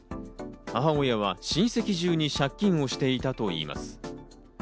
母親は親戚中に借金をしていたといいます。